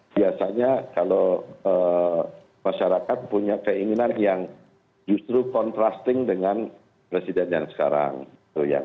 biasanya kalau masyarakat punya keinginan yang justru kontrasting dengan presiden yang sekarang